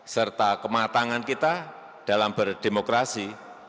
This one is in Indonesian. serta kematangan kita dalam berdemokrasi